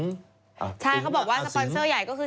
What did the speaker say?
ใช่เขาบอกว่าสปอนเซอร์ใหญ่ก็คือ